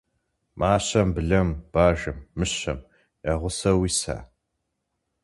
- Мащэм блэм, бажэм, мыщэм я гъусэу уиса?